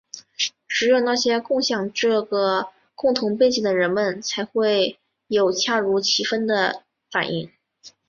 只有那些共享这个共同背景的人们才会有恰如其分的反应。